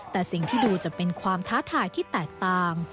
แต่สิ่งที่ดูจะเป็นความท้าทายที่แตกต่าง